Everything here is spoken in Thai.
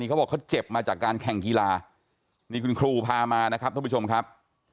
เขาบอกเขาเจ็บมาจากการแข่งกีฬานี่คุณครูพามานะครับท่านผู้ชมครับ